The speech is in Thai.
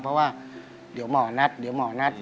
เพราะว่าเดี๋ยวหมอนัด